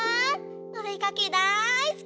おでかけだいすき！